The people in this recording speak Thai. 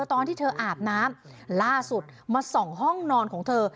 ตอนที่เธออาบน้ำล่าสุดมาส่องห้องนอนของเธอ